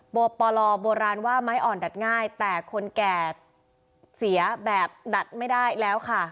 ปปลโบราณว่าไม้อ่อนดัดง่ายแต่คนแก่เสียแบบดัดไม่ได้แล้วค่ะ